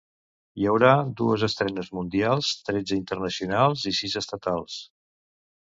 Hi haurà dues estrenes mundials, tretze internacionals i sis estatals.